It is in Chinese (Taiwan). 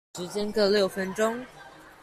時間各六分鐘